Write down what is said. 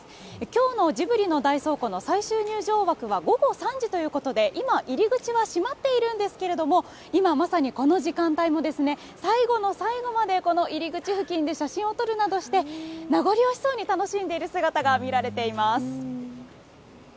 きょうのジブリの大倉庫の最終入場枠は午後３時ということで、今、入り口は閉まっているんですけれども、今、まさにこの時間帯もですね、最後の最後まで、この入り口付近で写真を撮るなどして、名残惜しそうに楽しんでいる姿が見られています。